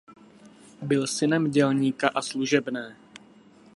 Byl synem dělníka a služebné.